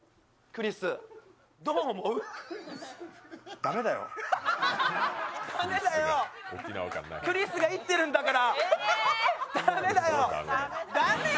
駄目だよ、クリスが言ってるんだから。